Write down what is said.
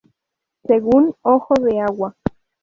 Según "Ojo de Agua".